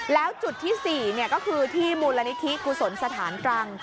แล้วจุดที่๔ก็คือที่มูลนิธิกุศลสถานตรัง